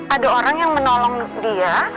ada orang yang menolong dia